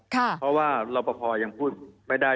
เพราะว่ารอปภยังพูดไม่ได้